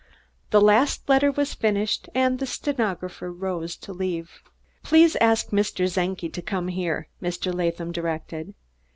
The last letter was finished, and the stenographer arose to leave. "Please ask Mr. Czenki to come here," Mr. Latham directed.